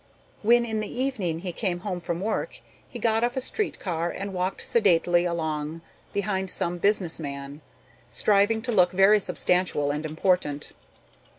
When in the evening he came home from work he got off a streetcar and walked sedately along behind some business man, striving to look very substantial and important.